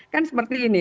kan seperti ini